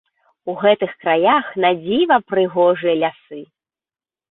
У гэтых краях надзіва прыгожыя лясы!